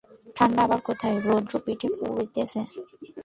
ঠাণ্ডা আবার কোথায়–রৌদ্রে পিঠ পুড়িতেছে।